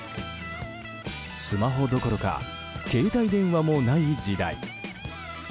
スマホどころか携帯電話もない時代。